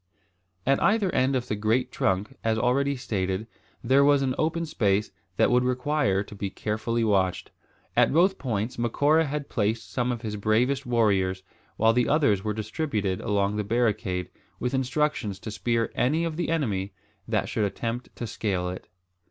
At either end of the great trunk, as already stated there was an open space that would require to be carefully watched. At both points Macora had placed some of his bravest warriors, while the others were distributed along the barricade, with instructions to spear any of the enemy that should attempt to scale it.